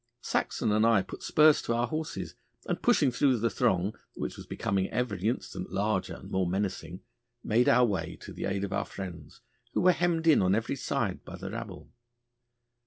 Saxon and I put spurs to our horses, and pushing through the throng, which was becoming every instant larger and more menacing, made our way to the aid of our friends, who were hemmed in on every side by the rabble.